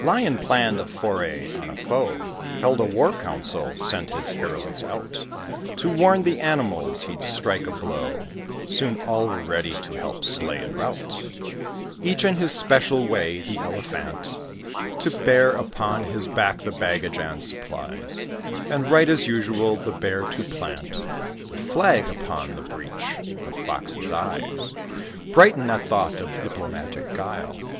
Lion planned a foray on a foe; Held a war council; sent his heralds out To warn the Animals he'd strike a blow; Soon all were ready to help slay and rout Each in his special way. The Elephant, To bear upon his back the baggage and supplies, And right, as usual. Then the Bear, to plant The flag upon the breach. The Fox's eyes Brighten at thought of diplomatic guile.